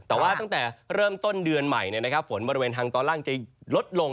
แต่ว่าตั้งแต่เริ่มต้นเดือนใหม่ฝนบริเวณทางตอนล่างจะลดลง